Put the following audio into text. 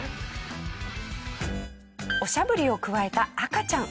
おしゃぶりをくわえた赤ちゃん。